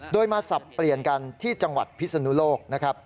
โดยมาสับเปลี่ยนกันที่จังหวัดพิษณุโลก